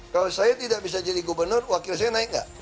kalau saya tidak bisa jadi gubernur wakil saya naik nggak